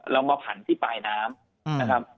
เรามาผันที่ปลายน้ำนะครับ